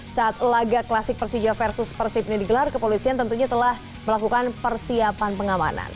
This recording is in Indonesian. saat laga klasik persija versus persib ini digelar kepolisian tentunya telah melakukan persiapan pengamanan